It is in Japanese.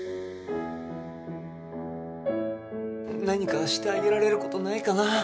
何かしてあげられる事ないかな？